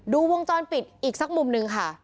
วงจรปิดอีกสักมุมนึงค่ะ